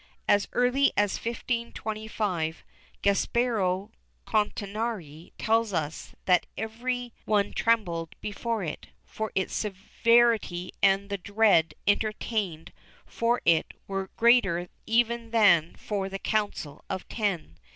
As early as 1525, Gaspare Contarini tells us that every one trembled before it, for its severity and the dread entertained for it were greater even than for the Council of Ten.